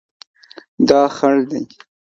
دا خړ دی